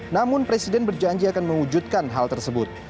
namun presiden berjanji akan mewujudkan hal tersebut